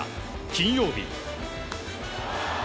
金曜日。